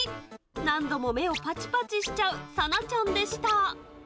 何度も目をぱちぱちしちゃうさなちゃんでした。